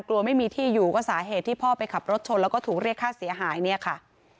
กลัวไม่มีที่อยู่ก็สาเหตุที่พ่อไปขับรถชนแล้วก็ถูกเรียกค่าเสียหายเนี่ยค่ะ